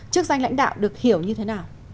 chức danh lãnh đạo được hiểu như thế nào